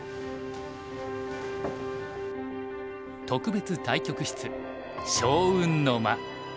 特別対局室祥雲の間。